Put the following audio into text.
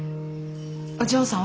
お嬢さん